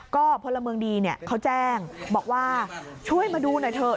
ก็พลเมืองดีเขาแจ้งบอกว่าช่วยมาดูหน่อยเถอะ